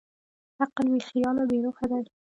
عقل بېخیاله بېروحه دی.